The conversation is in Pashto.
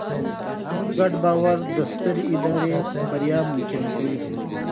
ګډ باور د سترې ادارې بریا ممکنه کوي.